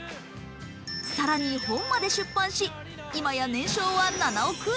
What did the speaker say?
更に本まで出版し、今や年商は７億円。